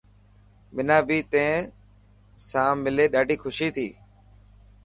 منان بي تين ساملي ڏاڍي خوشي ٿي.